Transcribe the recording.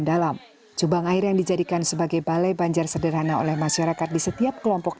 dalam cubang air yang dijadikan sebagai balai banjar sederhana oleh masyarakat di setiap kelompok